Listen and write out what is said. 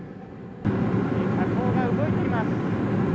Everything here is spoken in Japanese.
火口が動いています。